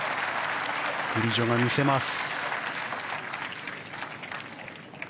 グリジョが見せています。